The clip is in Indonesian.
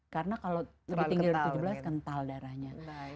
karena kalau lebih tinggi dari tujuh belas kental darahnya